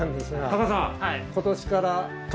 タカさん。